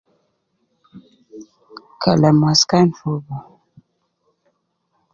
Kalam waskan fogo